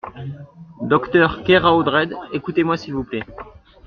Docteur Keraotred, écoutez-moi s’il vous plait.